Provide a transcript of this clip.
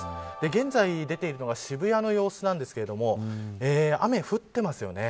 現在出ているのが渋谷の様子ですが雨、降ってますよね。